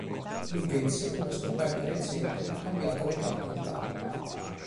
Invece una scoperta recente ha cambiato le carte in tavola.